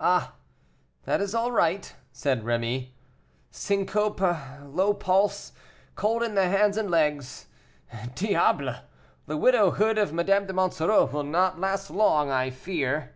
"Ah! that is all right," said Rémy, "syncope, low pulse, cold in the hands and legs: Diable! the widowhood of Madame de Monsoreau will not last long, I fear."